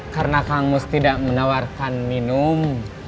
karena kang mus tidak menawarkan minum